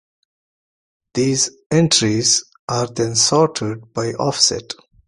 These entries are then sorted by offset.